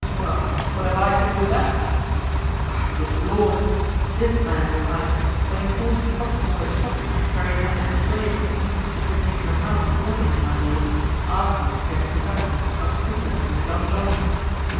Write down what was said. "Well, what have I to do with that?" "Why, good Lord! this man, your highness, when he saw me stop before his shop, where he has a display of things which would make your mouth water, my lord, asked me to get him the custom of the prisoners in the donjon.